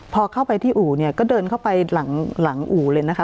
พอเข้าไปที่อู่เนี่ยก็เดินเข้าไปหลังอู่เลยนะคะ